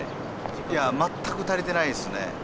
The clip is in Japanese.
いや、全く足りてないですね。